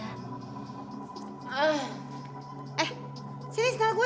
eh sini sandal gue